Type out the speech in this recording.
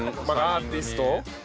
アーティスト？